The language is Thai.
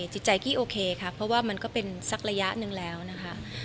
จิตใจกี้โอเคค่ะเพราะว่ามันก็เป็นสักระยะหนึ่งแล้วนะคะ